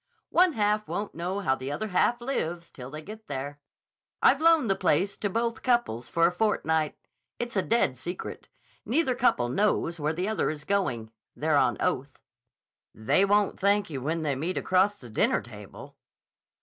"One half won't know how the other half lives till they get there. I've loaned the place to both couples for a fortnight. It's a dead secret. Neither couple knows where the other is going. They're on oath." "They won't thank you when they meet across the dinner table."